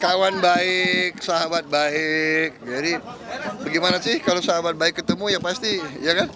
kawan baik sahabat baik jadi bagaimana sih kalau sahabat baik ketemu ya pasti ya kan